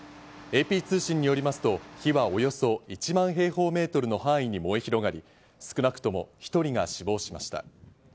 ＡＰ通信によりますと、火はおよそ１万平方メートルの範囲に燃え広がり、少なくとも１人が死亡しました。